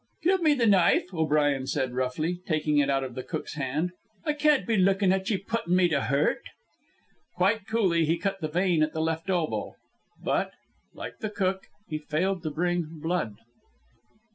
"Give me the knife," O'Brien said roughly, taking it out of the cook's hand. "I can't be lookin' at ye puttin' me to hurt." Quite coolly he cut the vein at the left elbow, but, like the cook, he failed to bring blood.